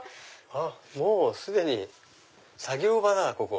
もう既に作業場だここ。